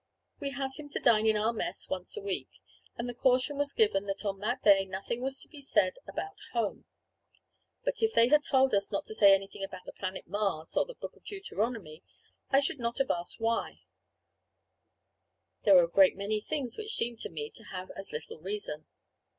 We had him to dine in our mess once a week, and the caution was given that on that day nothing was to be said about home. But if they had told us not to say anything about the planet Mars or the Book of Deuteronomy, I should not have asked why; there were a great many things which seemed to me to have as little reason.